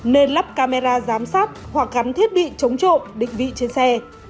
nên lắp camera giám sát hoặc gắn thiết bị chống trộm định vị trên xe